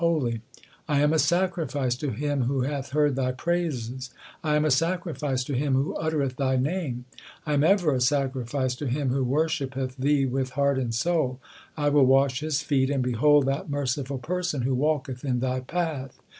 HYMNS OF GURU ARJAN 117 I am a sacrifice to him who uttereth Thy name ; I am ever a sacrifice to him who worshippeth Thee with heart and soul. I will wash his feet and behold That merciful person who walketh in Thy path.